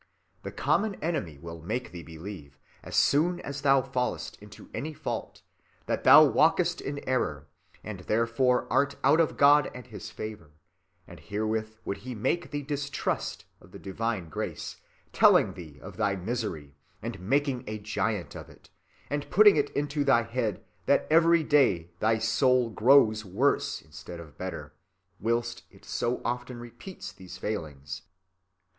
The common enemy will make thee believe, as soon as thou fallest into any fault, that thou walkest in error, and therefore art out of God and his favor, and herewith would he make thee distrust of the divine Grace, telling thee of thy misery, and making a giant of it; and putting it into thy head that every day thy soul grows worse instead of better, whilst it so often repeats these failings.